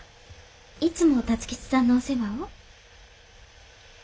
いつも辰吉さんのお世話を？